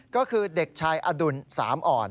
ก็คือเด็กชายอดุลสามอ่อน